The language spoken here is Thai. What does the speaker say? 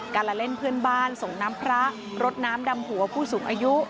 การละเล่นเพื่อนบ้านส่งน้ำพระรดน้ำดำหัวผู้สูงอายุ